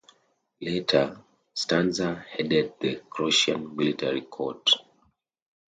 Later, Stanzer headed the Croatian Military court.